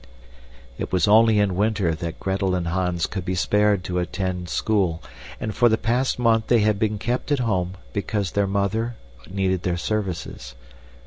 } It was only in winter that Gretel and Hans could be spared to attend school, and for the past month they had been kept at home because their mother needed their services.